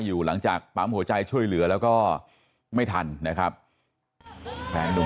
อยู่หลังจากปั๊มหัวใจช่วยเหลือแล้วก็ไม่ทันนะครับแฟนนุ่ม